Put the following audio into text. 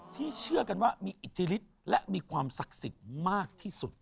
เชื่อกันว่ามีอิทธิฤทธิ์และมีความศักดิ์สิทธิ์มากที่สุด